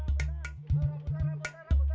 alhamdulillah nyampe juga gua di kota